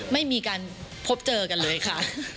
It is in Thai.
ไม่มีการพบเจอกันเลยค่ะ